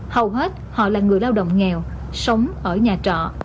hầu hết họ là người lao động nghèo sống ở nhà trọ